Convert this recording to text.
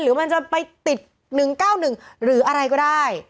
หรือมันจะไปติดหนึ่งเก้าหนึ่งหรืออะไรก็ได้